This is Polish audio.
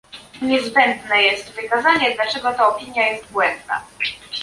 Niezbędne jest wykazanie, dlaczego ta opinia jest błędna